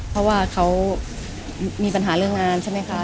เพราะว่าเขามีปัญหาเรื่องงานใช่ไหมคะ